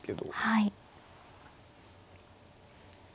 はい。